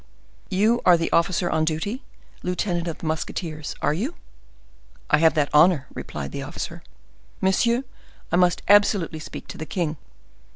"You are the officer on duty, lieutenant of the musketeers, are you?" "I have that honor," replied the officer. "Monsieur, I must absolutely speak to the king."